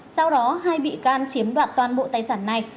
sau đó hai bị can chiếm đoạt toàn bộ tài sản này